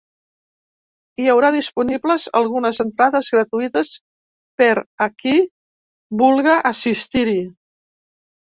Hi haurà disponibles algunes entrades gratuïtes per a qui vulga assistir-hi.